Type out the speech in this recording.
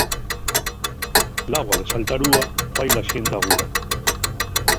L'agua de Saltarúa fai la xente aguda.